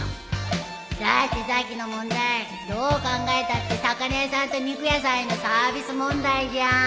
だってさっきの問題どう考えたって魚屋さんと肉屋さんへのサービス問題じゃん